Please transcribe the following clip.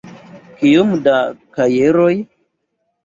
Kiom da kajeroj?